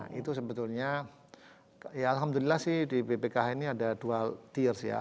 nah itu sebetulnya ya alhamdulillah sih di bpkh ini ada dua tears ya